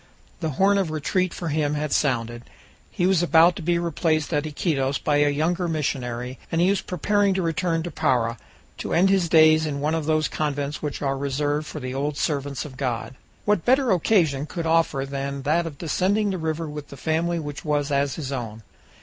The horn of retreat for him had sounded; he was about to be replaced at Iquitos by a younger missionary, and he was preparing to return to Para, to end his days in one of those convents which are reserved for the old servants of God. What better occasion could offer than that of descending the river with the family which was as his own?